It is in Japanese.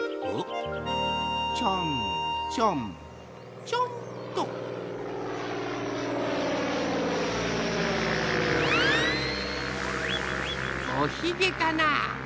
おひげかな？